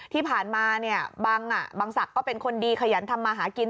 ที่ผ่านมาเนี่ยบางศักดิ์ก็เป็นคนดีขยันทำมาหากิน